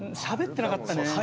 しゃべってなかったね。